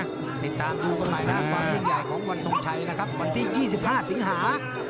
เมื่อต้มถุนักก็หมายล่างความสุขใหญ่ของวันที่๒๕สิงหา